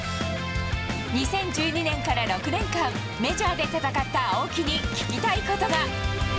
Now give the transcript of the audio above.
２０１２年から６年間、メジャーで戦った青木に聞きたいことが。